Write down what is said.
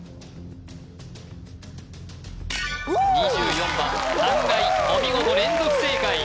２４番かんがいお見事連続正解